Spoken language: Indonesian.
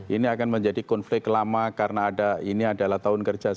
ini akan menjadi konflik lama karena ada ini adalah tahun kerja